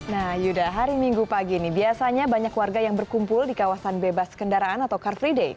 nah yuda hari minggu pagi ini biasanya banyak warga yang berkumpul di kawasan bebas kendaraan atau car free day